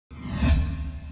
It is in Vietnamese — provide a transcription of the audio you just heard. thế thì thế là lừa cái gì